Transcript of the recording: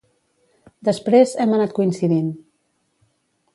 Després, hem anat coincidint.